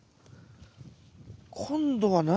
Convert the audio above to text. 今度は何？